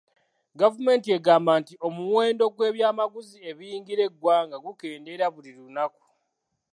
Gavumenti egamba nti omuwendo gw'ebyamaguzi ebiyingira eggwanga gukendeera buli lunaku.